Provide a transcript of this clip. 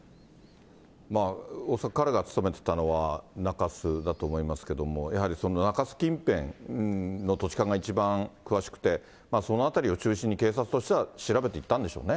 恐らく彼が勤めてたのは中洲だと思いますけども、やはりその中洲近辺の土地勘が一番詳しくて、その辺りを中心に、警察としては調べていったんでしょうね。